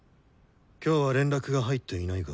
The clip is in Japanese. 今日は連絡が入っていないが。